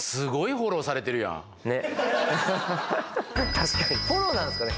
確かにフォローなんですかね